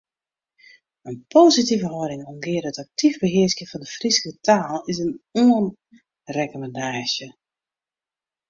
In positive hâlding oangeande it aktyf behearskjen fan de Fryske taal is in oanrekommandaasje.